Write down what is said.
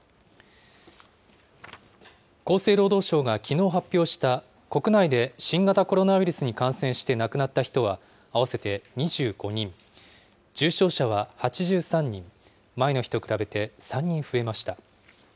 厚生労働省がきのう発表した国内で新型コロナウイルスに感染して亡くなった人は合わせて２５人、重症者は８３人、前の日と比べて３人増えました。